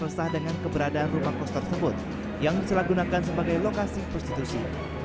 resah dengan keberadaan rumah kos tersebut yang disalahgunakan sebagai lokasi prostitusi